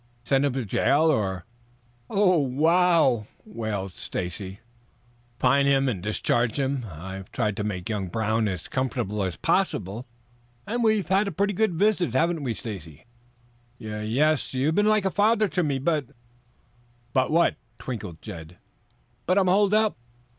"Send him to jail, or " "Oh, wow!" wailed Stacy. "Fine him or discharge him. I've tried to make young Brown as comfortable as possible, and we've had a pretty good visit, haven't we, Stacy?" "Ye yes. You have been like a father to me, but " "But what?" twinkled Jed. "But I'm held up."